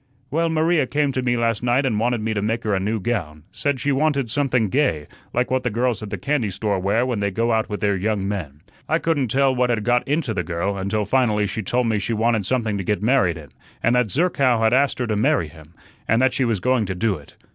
"Well, Maria came to me last night and wanted me to make her a new gown, said she wanted something gay, like what the girls at the candy store wear when they go out with their young men. I couldn't tell what had got into the girl, until finally she told me she wanted something to get married in, and that Zerkow had asked her to marry him, and that she was going to do it.